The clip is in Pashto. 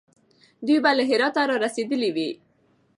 دوی به له هراته را رسېدلي وي.